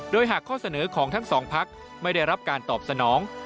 โดยหากข้อเสนอของทั้งสองพักไม่ได้รับการตอบสนอง